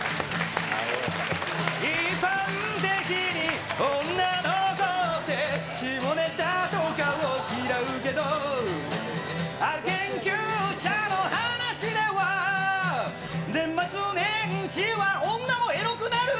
一般的に女の子って、下ネタとかを嫌うけど、研究者の話では、年末年始は女もエロくなる。